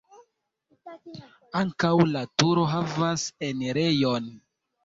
Ankaŭ la turo havas enirejon.